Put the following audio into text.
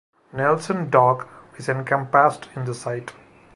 Nelson Dock is encompassed in the site.